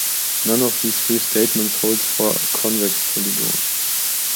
None of these three statements holds for a convex polygon.